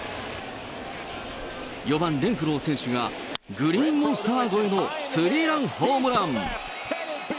４番、レンフロー選手がグリーンモンスター越えのスリーランホームラン。